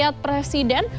ada karyat presiden